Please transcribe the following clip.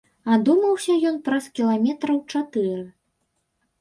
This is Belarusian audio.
Адумаўся ён праз кіламетраў чатыры.